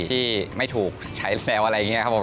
ที่ไม่ถูกใช้แซวอะไรอย่างนี้ครับผม